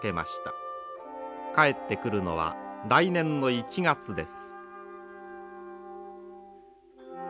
帰ってくるのは来年の１月です。